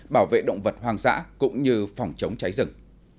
bảo vệ động vật hoang dã cũng như phòng chống cháy rừng